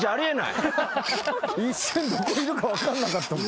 一瞬どこにいるのか分かんなかったもん。